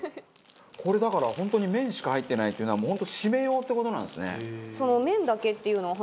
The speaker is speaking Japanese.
これだから本当に麺しか入ってないっていうのはもう本当シメ用って事なんですね？